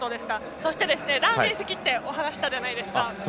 そして、ラーメン好きってお話したじゃないですか。